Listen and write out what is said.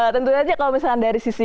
tentu saja kalau misalnya dari sisi